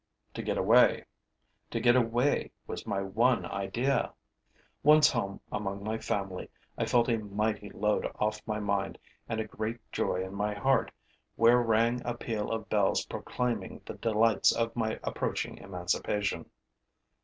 To get away, to get away was my one idea. Once home among my family, I felt a mighty load off my mind and a great joy in my heart, where rang a peal of bells proclaiming the delights of my approaching emancipation.